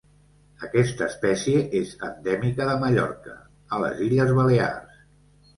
Aquesta espècie és endèmica de Mallorca, a les illes Balears.